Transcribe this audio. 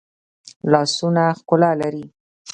لاسونه ښکلا لري